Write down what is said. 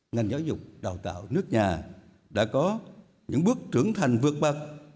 ngành giáo dục đào tạo nước nhà đã có những bước trưởng thành vượt bậc